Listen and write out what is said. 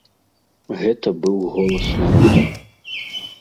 Гэта быў голас народа.